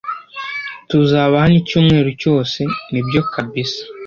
Tuzaba hano icyumweru cyose nibyo kabisa